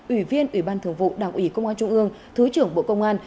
ủy viên ủy ban thường vụ đảng ủy công an trung ương thứ trưởng bộ công an